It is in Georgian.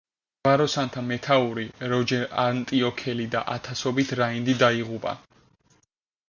ჯვაროსანთა მეთაური, როჯერ ანტიოქელი და ათასობით რაინდი დაიღუპა.